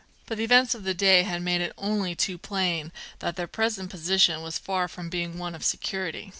But the events of the day had made it only too plain that their present position was far from being one of security.